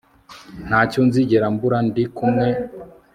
ntacyo nzigera mbura ndi kumwe